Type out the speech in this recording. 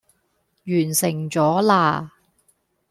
完成咗啦